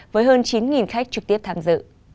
với hơn chín khách trực tiếp thăng dự